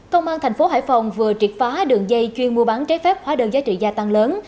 công an thành phố hải phòng vừa triệt phá đường dây chuyên mua bán trái phép hóa đơn giá trị gia tăng lớn